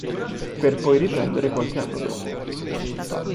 Per poi riprendere qualche anno dopo.